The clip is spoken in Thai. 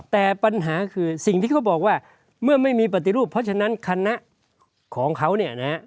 แต่ปัญหาคือสิ่งที่เขาบอกว่าเมื่อไม่มีปฏิรูปเพราะฉะนั้นคณะของเขาเนี่ยนะฮะ